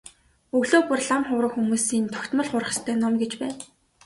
Өглөө бүр лам хувраг хүмүүсийн тогтмол хурах ёстой ном гэж байна.